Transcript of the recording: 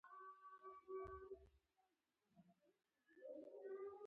که تۀ اجازه راکړې عملي تجربه یې کړم.